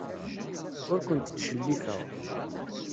Ur kent-ttcellifeɣ.